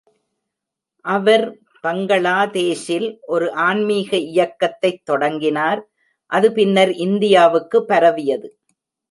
அவர் பங்களாதேஷில் ஒரு ஆன்மீக இயக்கத்தைத் தொடங்கினார், அது பின்னர் இந்தியாவுக்கு பரவியது.